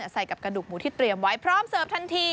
ใส่กับกระดูกหมูที่เตรียมไว้พร้อมเสิร์ฟทันที